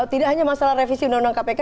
tidak hanya masalah revisi undang undang kpk